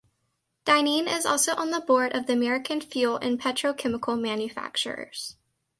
Dineen is also on the board of the American Fuel and Petrochemical Manufacturers.